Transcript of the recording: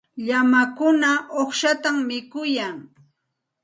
Llamakuna uqshatam mikuyan.